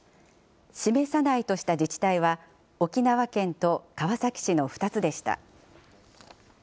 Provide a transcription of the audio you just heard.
示さないとした自治体は、沖縄県と川崎市の２つでした。